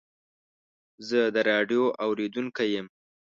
زه د راډیو اورېدونکی یم.